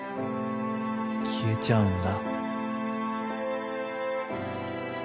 消えちゃうんだ。